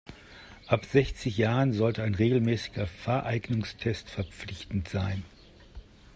Ab sechzig Jahren sollte ein regelmäßiger Fahreignungstest verpflichtend sein.